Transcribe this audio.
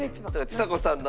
ちさ子さんなのか。